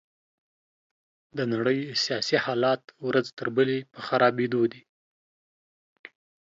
د نړۍ سياسي حالات ورځ تر بلې په خرابيدو دي.